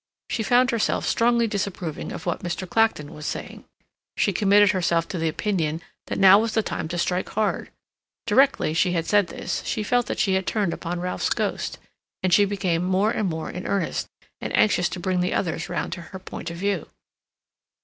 She found herself strongly disapproving of what Mr. Clacton was saying. She committed herself to the opinion that now was the time to strike hard. Directly she had said this, she felt that she had turned upon Ralph's ghost; and she became more and more in earnest, and anxious to bring the others round to her point of view.